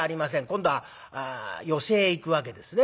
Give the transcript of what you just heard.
今度は寄席へ行くわけですね。